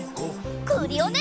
クリオネ！